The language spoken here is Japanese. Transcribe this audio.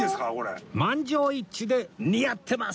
満場一致で似合ってます！